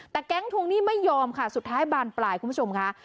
แต่แก๊งทวงหนี้ไม่ยอมค่ะสุดท้ายบานปลายคุณผู้ชมค่ะ